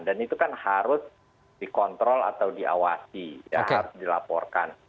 dan itu kan harus dikontrol atau diawasi ya harus dilaporkan